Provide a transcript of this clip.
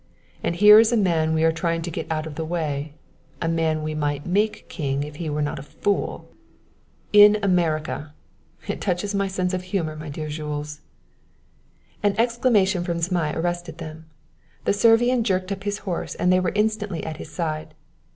And here is a man we are trying to get out of the way a man we might make king if he were not a fool! In America! It touches my sense of humor, my dear Jules!" An exclamation from Zmai arrested them. The Servian jerked up his horse and they were instantly at his side.